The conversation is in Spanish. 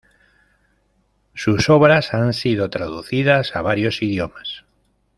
Sus obras han sido traducidas a varios idiomas.